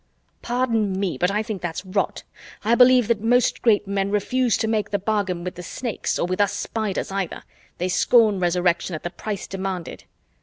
"Pardon me, but I think that's rot. I believe that most great men refuse to make the bargain with the Snakes, or with us Spiders either. They scorn Resurrection at the price demanded."